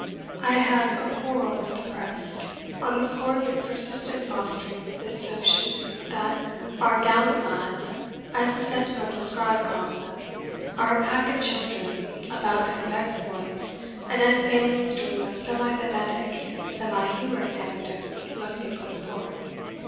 I have a quarrel with the Press on the score of its persistent fostering of this notion that "our gallant lads" (as the sentimental scribe calls them) are a pack of children about whose exploits an unfailing stream of semi pathetic, semi humorous anecdotes must be put forth.